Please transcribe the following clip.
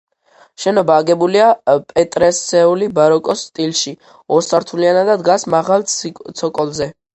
შენობა აგებულია პეტრესეული ბაროკოს სტილში, ორსართულიანია და დგას მაღალ ცოკოლზე.